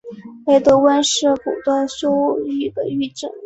雷德温是古德休郡的郡治。